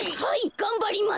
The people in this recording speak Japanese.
がんばります。